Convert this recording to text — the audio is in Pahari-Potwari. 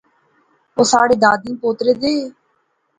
او ساڑھے دادیں پوترے دے